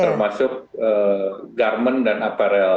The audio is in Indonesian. termasuk garment dan aparel